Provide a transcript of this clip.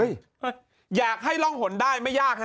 อยากให้ร่องหนได้ไม่ยากฮะ